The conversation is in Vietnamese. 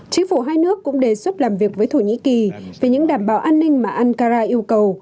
chính phủ hai nước cũng đề xuất làm việc với thổ nhĩ kỳ về những đảm bảo an ninh mà ankara yêu cầu